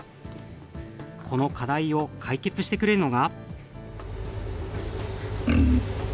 この課題を解決してくれるのが。